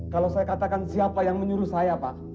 kalau saya katakan siapa yang menyuruh saya pak